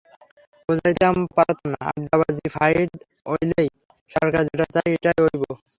বোঝাইতাম পারতাম না, আড্ডাআড্ডি ফাইট অইলেও সরকার যেটা চায় ইটাই অইব।